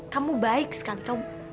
kamu baik skank